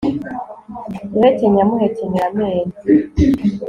guhekenya amuhekenyera amenyo